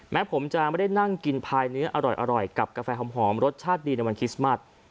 แม้ผมจะไม่ได้นั่งกินพายเนื้ออร่อยกับกาแฟหอมรสชาติดีในวันคริสต์มัส